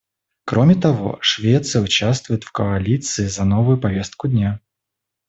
Кроме того, Швеция участвует в Коалиции за новую повестку дня.